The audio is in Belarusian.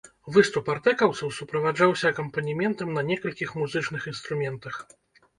Выступ артэкаўцаў суправаджаўся акампанементам на некалькіх музычных інструментах.